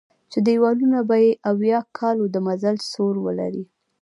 چې دېوالونه به یې اویا کالو د مزل سور ولري.